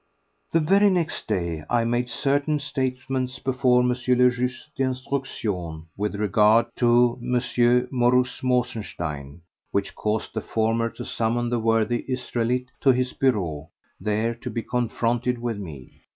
The very next day I made certain statements before M. le Juge d'instruction with regard to M. Mauruss Mosenstein, which caused the former to summon the worthy Israelite to his bureau, there to be confronted with me.